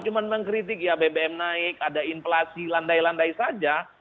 cuma mengkritik ya bbm naik ada inflasi landai landai saja